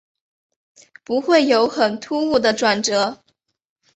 不会有很突兀的转折